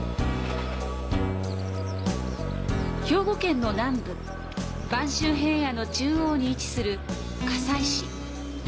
兵庫県の南部、播州平野の中央に位置する加西市。